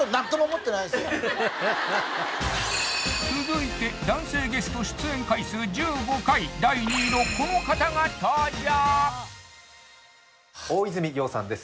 続いて男性ゲスト出演回数１５回第２位のこの方が登場大泉洋さんです